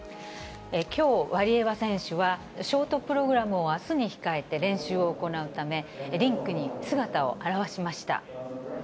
きょう、ワリエワ選手は、ショートプログラムをあすに控えて練習を行うため、リンクに姿を現しました。